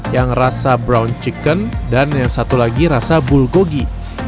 yang rasa brown chicken dan yang satu lagi rasa bulgogi